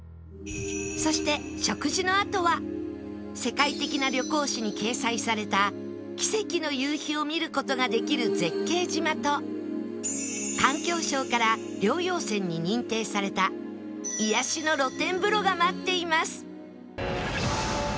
そして食事のあとは世界的な旅行誌に掲載された奇跡の夕日を見る事ができる絶景島と環境省から療養泉に認定された癒やしの露天風呂が待っています